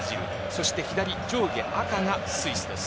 そして左、上下赤がスイスです。